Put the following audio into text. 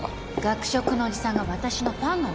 学食のおじさんが私のファンなの